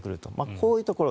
こういうところ。